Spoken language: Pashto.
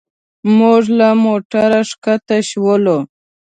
موږ له موټر ښکته شولو.